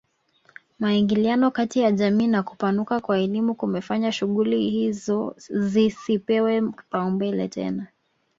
Maingiliano ya kijamii na kupanuka kwa elimu kumefanya shughuli hizo zisipewe kipaumbele tena